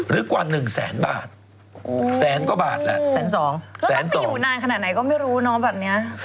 แล้วก็ไม่อยู่นานขนาดไหนก็ไม่รู้เนอะแบบนี้